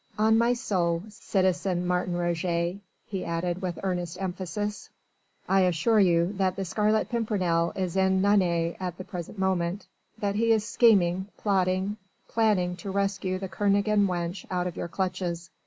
On my soul, citizen Martin Roget," he added with earnest emphasis, "I assure you that the Scarlet Pimpernel is in Nantes at the present moment, that he is scheming, plotting, planning to rescue the Kernogan wench out of your clutches.